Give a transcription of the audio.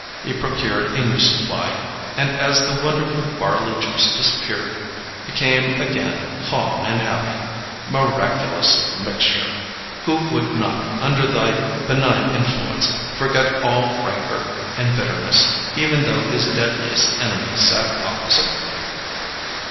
He procured a new supply, and as the wonderful barley juice disappeared became again calm and happy. Miraculous mixture! Who would not, under thy benign influence, forget all rancor and bitterness, even though his deadliest enemy sat opposite?